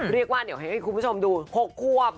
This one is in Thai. เรียกว่าเดี๋ยวให้คุณผู้ชมดู๖ควบ